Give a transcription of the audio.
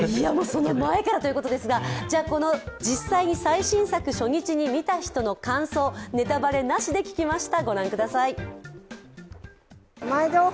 その前からということですが実際、最新作初日に見た感想、感想、ネタバレなしで聞きました。